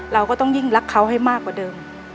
เราก็ต้องยิ่งรักเขาให้มากกว่าเดิม